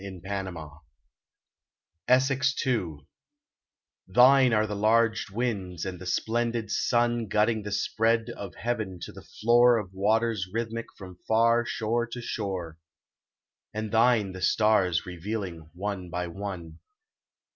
97 V ESSEX ii THINE are the large winds and the splendid sun Glutting the spread of heaven to the floor Of waters rhythmic from far shore to shore, And thine the stars, revealing one by one.